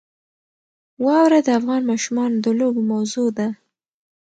واوره د افغان ماشومانو د لوبو موضوع ده.